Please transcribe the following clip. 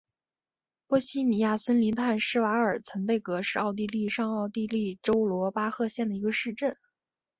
波希米亚森林畔施瓦尔岑贝格是奥地利上奥地利州罗巴赫县的一个市镇。